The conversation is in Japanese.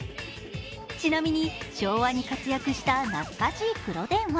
ちなみに昭和に活躍した懐かしい黒電話。